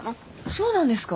そうなんですか？